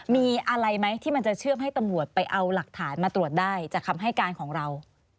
มีอะไรไหมที่มันจะเชื่อมให้ตำรวจไปเอาหลักฐานมาตรวจได้จากคำให้การของเรา